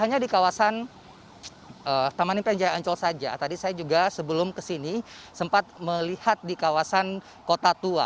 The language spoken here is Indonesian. jadi kawasan taman impian jaya ancol saja tadi saya juga sebelum kesini sempat melihat di kawasan kota tua